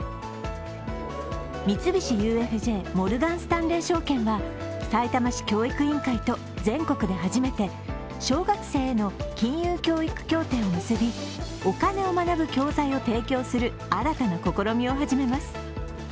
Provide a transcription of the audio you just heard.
三菱ＵＦＪモルガン・スタンレー証券はさいたま市教育委員会と全国で初めて小学生への金融教育協定を結び、お金を学ぶ教材を提供する新たな試みを始めます。